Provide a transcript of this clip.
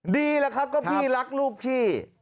ดีแหละครับก็พี่รักลูกพี่